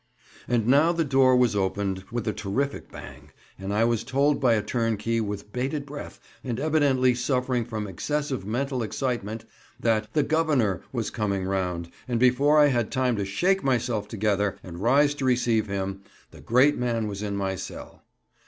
And now the door was opened with a terrific bang, and I was told by a turnkey with bated breath and evidently suffering from excessive mental excitement, that "the Governor" was coming round, and before I had time to shake myself together, and rise to receive him, the great man was in my cell.